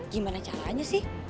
gimana caranya sih